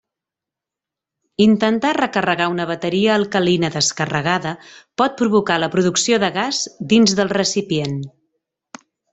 Intentar recarregar una bateria alcalina descarregada pot provocar la producció de gas dins del recipient.